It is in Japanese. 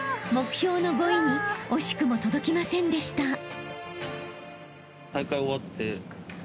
［目標の５位に惜しくも届きませんでした］